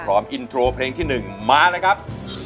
อินโทรเพลงที่๑มาเลยครับ